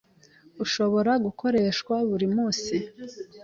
ishobora gukoreshwa buri munsi.